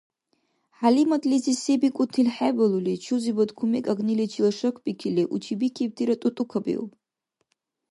ХӀялиматлизи се бикӀутил хӀебалули, чузибад кумек агниличи шакбикили учибикибтира тӀутӀукабиуб.